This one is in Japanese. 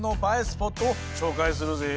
スポットを紹介するぜ。